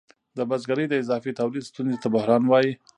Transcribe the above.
د بزګرۍ د اضافي تولید ستونزې ته بحران وايي